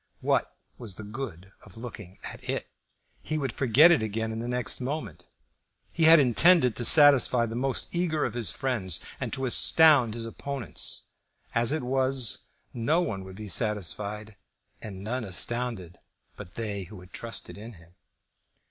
What was the good of looking at it? He would forget it again in the next moment. He had intended to satisfy the most eager of his friends, and to astound his opponents. As it was, no one would be satisfied, and none astounded but they who had trusted in him.